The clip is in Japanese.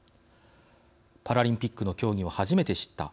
「パラリンピックの競技を初めて知った」